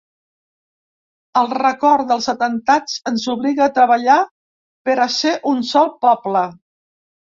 El record dels atemptats ens obliga a treballar per a ser un sol poble.